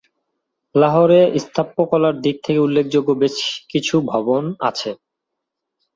লাহোরে স্থাপত্যকলার দিক থেকে উল্লেখযোগ্য বেশ কিছু ভবন আছে।